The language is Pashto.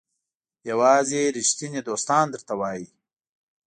یوازې ریښتیني دوستان درته وایي.